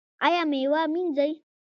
ایا میوه مینځئ؟